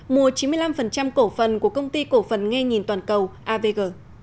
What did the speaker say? mùa chín mươi năm cổ phần của công ty cổ phần nghe nhìn toàn cầu avg